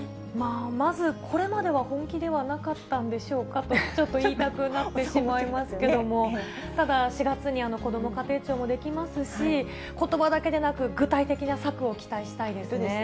まず、これまでは本気ではなかったんでしょうかと、ちょっと言いたくなってしまいますけれども、ただ、４月にこども家庭庁も出来ますし、ことばだけでなく、具体的な策を期待したいですね。